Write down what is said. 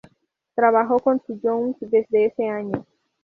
Trabajo con su Young desde ese año.